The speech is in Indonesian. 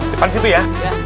depan situ ya